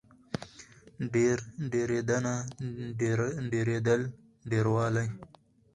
ډېر، ډېرېدنه، ډېرېدل، ډېروالی